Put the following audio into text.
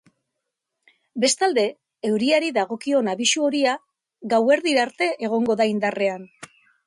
Bestalde, euriari dagokion abisu horia gauerdira arte egongo da indarrean.